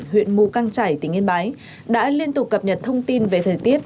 huyện mù căng trải tỉnh yên bái đã liên tục cập nhật thông tin về thời tiết